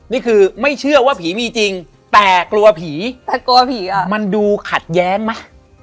นี่คือไม่เชื่อว่าผีมีจริงแต่กลัวผีมันดูขัดแย้งมั้ย